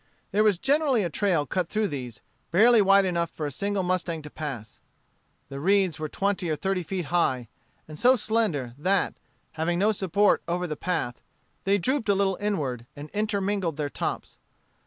There was generally a trail cut through these, barely wide enough for a single mustang to pass. The reeds were twenty or thirty feet high, and so slender that, having no support over the path, they drooped a little inward and intermingled their tops.